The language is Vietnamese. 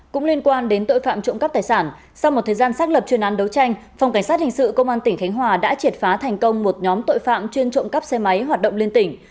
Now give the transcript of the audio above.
cũng liên quan đến tội phạm trộm cắp tài sản sau một thời gian xác lập chuyên án đấu tranh phòng cảnh sát hình sự công an tỉnh khánh hòa đã triệt phá thành công một nhóm tội phạm chuyên trộm cắp xe máy hoạt động liên tỉnh